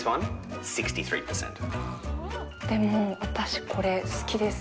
でも、私これ好きです。